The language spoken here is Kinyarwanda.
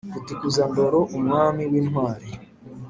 rutukuzandoro, umwami w’intwari